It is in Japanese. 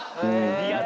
リアル